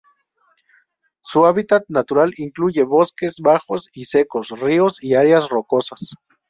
Su hábitat natural incluye bosques bajos y secos, ríos y áreas rocosas.